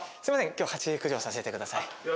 今日ハチ駆除させてください。